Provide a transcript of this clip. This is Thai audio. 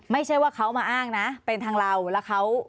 ไม่ใช่ว่าเขามาอ้างนะเป็นทางเราแล้วเขา